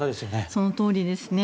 そのとおりですね。